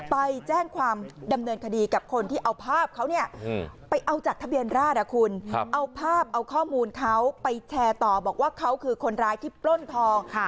ไปแชร์ต่อบอกว่าเขาคือคนร้ายที่ปล้นทองค่ะ